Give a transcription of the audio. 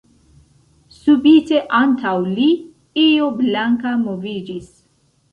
Subite antaŭ li io blanka moviĝis.